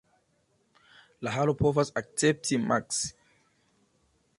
La halo povas akcepti maks.